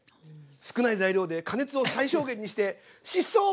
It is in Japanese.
少ない材料で加熱を最小限にして疾走！